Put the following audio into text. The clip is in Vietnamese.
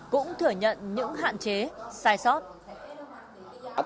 cũng thừa nhận những hạn chế sai sót